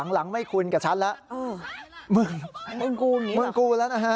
หลังไม่คุ้นกับฉันแล้วเออมึงมึงกูมึงกูแล้วนะฮะ